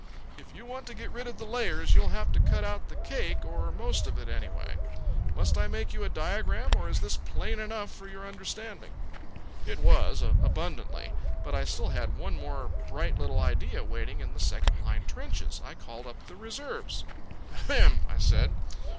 If you want to get rid of the layers you'll have to cut out the cake, or most of it, anyway. Must I make you a diagram, or is this plain enough for your understanding?" It was abundantly. But I still had one more bright little idea waiting in the second line trenches. I called up the reserves. "Ahem!" I said.